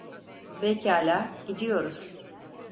Pekâlâ, gidiyoruz.